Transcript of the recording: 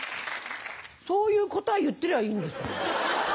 そういう答え言ってりゃいいんですよ。